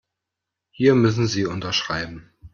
Hier müssen Sie unterschreiben.